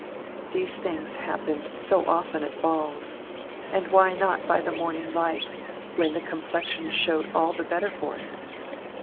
These things happened so often at balls, and why not by the morning light, when the complexion showed all the better for it?